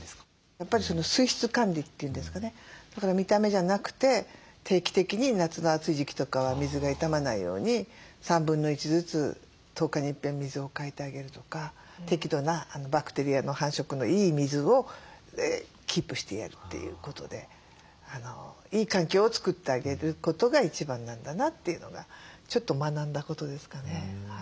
やっぱり水質管理っていうんですかねだから見た目じゃなくて定期的に夏の暑い時期とかは水が傷まないように1/3ずつ１０日にいっぺん水を替えてあげるとか適度なバクテリアの繁殖のいい水をキープしてやるということでいい環境を作ってあげることが一番なんだなというのがちょっと学んだことですかね。